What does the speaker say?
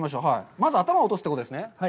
まず頭を落とすということですね。